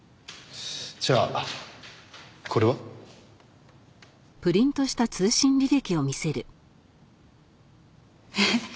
じゃあこれは？えっ？